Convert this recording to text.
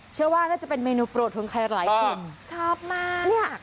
เชื่อว่าน่าจะเป็นเมนูโปรดของใครหลายคนชอบมากเนี่ย